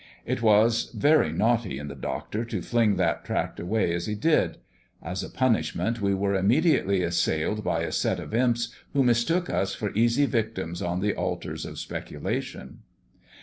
It was very naughty in the Doctor to fling that tract away as he did. As a punishment, we were immediately assailed by a set of imps who mistook us for easy victims on the altars of speculation.